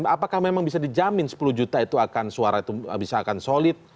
apakah memang bisa dijamin sepuluh juta itu akan suara itu bisa akan solid